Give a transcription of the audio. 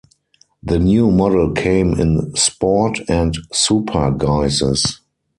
The new model came in "Sport" and "Super" guises.